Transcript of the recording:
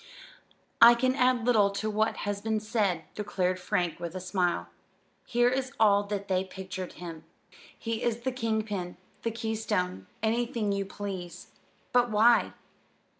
"I can add little to what has been said," declared Frank with a smile. "He is all that they pictured him. He is the king pin, the keystone anything you please. But, why?"